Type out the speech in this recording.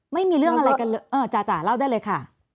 ไม่มีเรื่องอะไรกันเลยจ่าเล่าได้เลยค่ะ